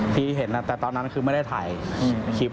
ที่เห็นแต่ตอนนั้นคือไม่ได้ถ่ายคลิป